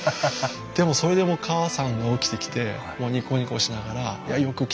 でもそれでも母さんが起きてきてニコニコしながらよく来てくれたって。